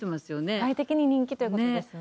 世界的に人気ということですよね。